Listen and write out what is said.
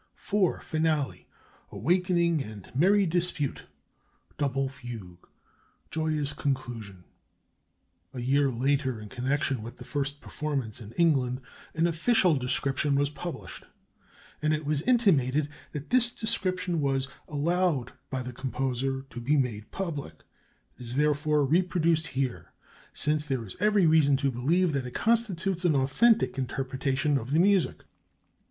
"IV. FINALE: Awakening and merry dispute (double fugue). Joyous conclusion." A year later, in connection with the first performance in England, an "official" description was published, and it was intimated that this description was "allowed" by the composer "to be made public." It is therefore reproduced here, since there is every reason to believe that it constitutes an authentic interpretation of the music.